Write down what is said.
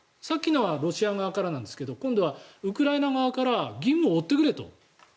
さっきのはロシア側からなんですが今度はウクライナ側から義務を負ってくれと。